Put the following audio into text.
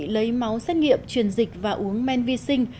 lấy máu xét nghiệm truyền dịch và uống men vi sinh